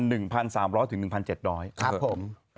ครับผม